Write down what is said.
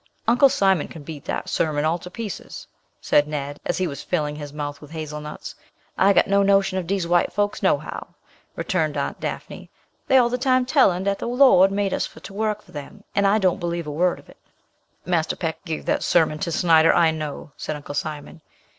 "Uncle Simon can beat dat sermon all to pieces," said Ned, as he was filling his mouth with hazelnuts. "I got no notion of dees white fokes, no how," returned Aunt Dafney. "Dey all de time tellin' dat de Lord made us for to work for dem, and I don't believe a word of it." "Marser Peck give dat sermon to Snyder, I know," said Uncle Simon.